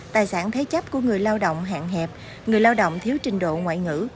tài sản thế chấp của người lao động hạn hẹp người lao động thiếu trình độ ngoại ngữ